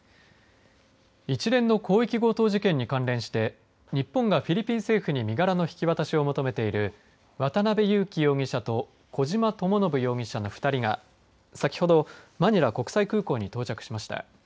一連の広域強盗事件に関連して日本がフィリピン政府に身柄の引き渡しを求めている渡邉優樹容疑者と小島智信容疑者の２人が先ほどマニラ国際空港に到着しました。